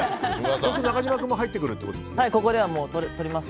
中島君も入ってくるってことですね？